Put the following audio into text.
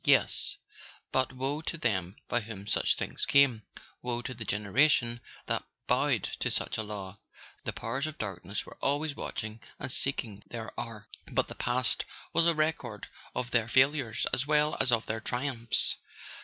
Yes—but woe to them by whom such things came; woe to the generation that bowed to such a law! The Powers of Darkness were always watching and seeking their hour; but the past was a record of their failures as well as of their triumphs.